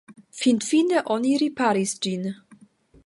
Finfine oni riparis ĝin.